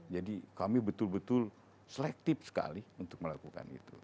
jadi kami betul betul selektif sekali untuk melakukan itu